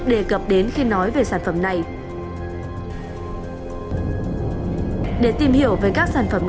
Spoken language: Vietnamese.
vì vậy phù hợp với những đối tượng cần hạn chế đường có trong khẩu phần ăn